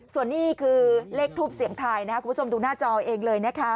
ส่วนนี้คือเลขทูปเสียงทายนะครับคุณผู้ชมดูหน้าจอเองเลยนะคะ